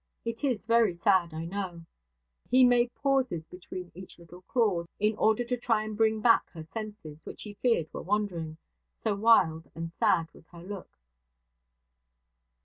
It is very sad, I know.' He made pauses between each little clause, in order to try and bring back her senses, which he feared were wandering so wild and sad was her look.